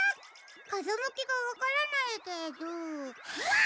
かざむきがわからないけどうわあ！